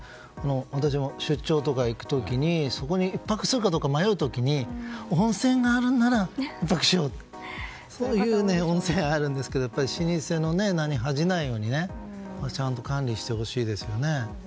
私も出張とかに行く時にそこに１泊するかどうか迷う時に温泉があるなら１泊しようとそういう温泉があるんですが老舗の名に恥じないようにちゃんと管理してほしいですよね。